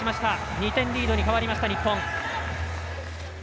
２点リードに変わった、日本。